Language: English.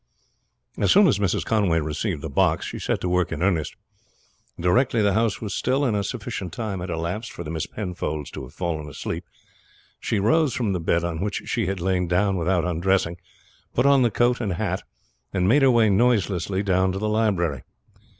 As soon as Mrs. Conway received the box she set to work in earnest. Directly the house was still and a sufficient time had elapsed for the Miss Penfolds to have fallen asleep, she rose from the bed on which she had lain down without undressing, put on the coat and hat, and made her way noiselessly down to the library.